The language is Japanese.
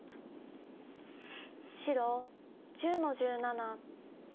白１０の十七。